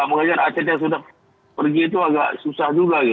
mengajar atlet yang sudah pergi itu agak susah juga